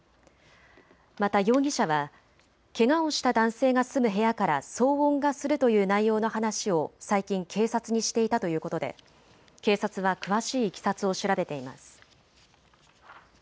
また容疑者は、けがをした男性が住む部屋から騒音がするという内容の話を最近、警察にしていたということで警察は詳しいいきさつを調べています。